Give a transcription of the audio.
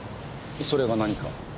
それが何か？